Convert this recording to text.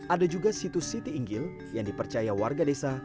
ada juga situs siti inggil yang dipercaya warga desa